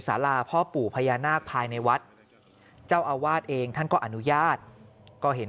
สาราพ่อปู่พญานาคภายในวัดเจ้าอาวาสเองท่านก็อนุญาตก็เห็น